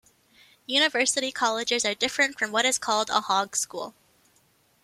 University Colleges are different from what is called a Hogeschool.